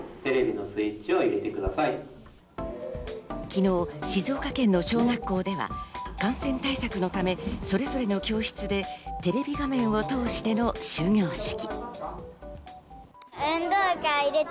昨日、静岡県の小学校では感染対策のため、それぞれの教室でテレビ画面を通しての終業式。